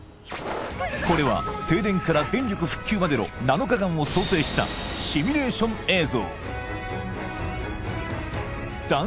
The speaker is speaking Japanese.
これは停電から電力復旧までの７日間を想定したシミュレーション映像